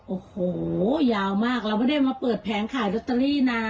โอ้โหยาวมากเราไม่ได้มาเปิดแผงขายลอตเตอรี่นะ